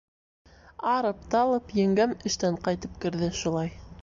Арып-талып еңгәм эштән ҡайтып керҙе шулай.